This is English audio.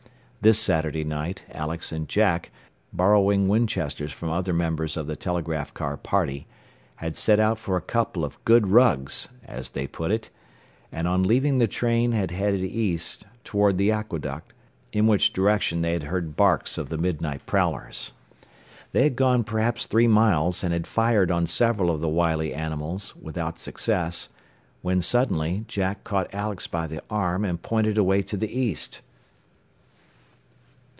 This Saturday night Alex and Jack, borrowing Winchesters from other members of the telegraph car party, had set out for a "couple of good rugs," as they put it, and on leaving the train had headed east, toward the aqueduct, in which direction they had heard barks of the midnight prowlers. They had gone perhaps three miles, and had fired on several of the wily animals, without success, when suddenly Jack caught Alex by the arm and pointed away to the east.